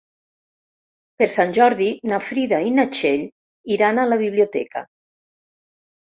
Per Sant Jordi na Frida i na Txell iran a la biblioteca.